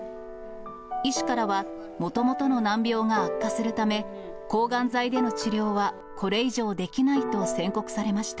医師からはもともとの難病が悪化するため、抗がん剤での治療はこれ以上できないと宣告されました。